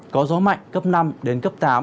có gió mạnh cấp năm đến cấp tám